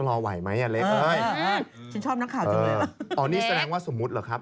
อ๋อนนี้แสดงว่าสมมุติหรือครับ